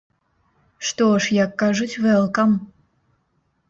Што ж, як кажуць, вэлкам!